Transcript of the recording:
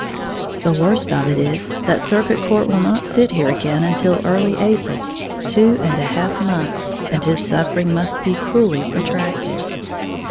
The worst of it is that circuit court will not sit here again until early April, two and a half months, and his suffering must be cruelly protracted.